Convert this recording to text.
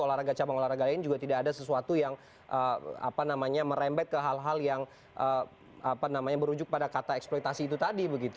olahraga cabang olahraga lain juga tidak ada sesuatu yang merembet ke hal hal yang merujuk pada kata eksploitasi itu tadi begitu